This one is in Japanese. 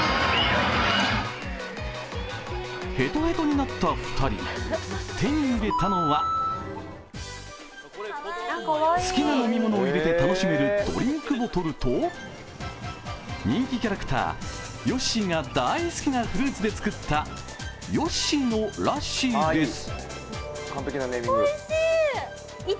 へとへとになった２人、手に入れたのは好きな飲み物を入れて楽しめるドリンクボトルと人気キャラクター、ヨッシーが大好きなフルーツで作ったヨッシーのラッシーです。